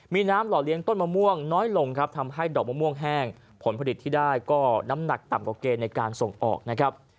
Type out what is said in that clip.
มีน้ำหล่อเลี้ยงต้นมะม่วงน้อยลงครับทำให้ดอกมะม่วงแห้งผลผลิตที่ได้ก็น้ำหนักต่ำกว่าเกณฑ์ในการส่งออกนะครับ